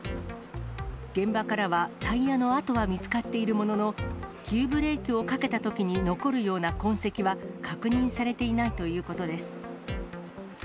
現場からは、タイヤの跡は見つかっているものの、急ブレーキをかけたときに残るような痕跡は確認されていないということです。